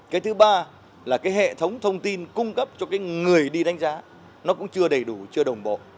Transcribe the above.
cái thứ ba là cái hệ thống thông tin cung cấp cho cái người đi đánh giá nó cũng chưa đầy đủ chưa đồng bộ